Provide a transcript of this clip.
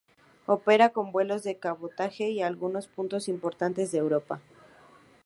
Opera con vuelos de cabotaje y algunos puntos importantes de Europa.